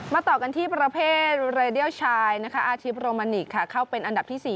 มาต่อกันที่ประเภทชายนะคะค่ะเข้าเป็นอันดับที่สี่